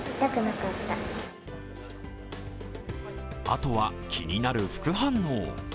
あとは気になる副反応。